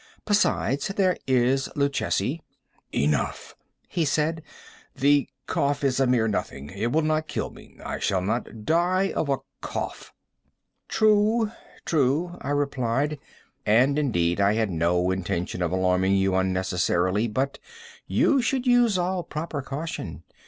Besides, there is Luchesi—" "Enough," he said; "the cough is a mere nothing; it will not kill me. I shall not die of a cough." "True—true," I replied; "and, indeed, I had no intention of alarming you unnecessarily—but you should use all proper caution.